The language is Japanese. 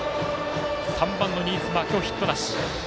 ３番の新妻、今日ヒットなし。